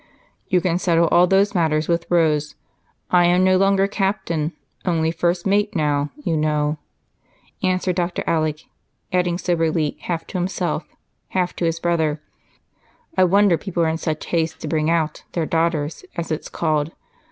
"You must settle all those matters with Rose. I am no longer captain, only first mate now, you know," answered Dr. Alec, adding soberly, half to himself, half to his brother, "I wonder people are in such haste to 'bring out' their daughters, as it's called.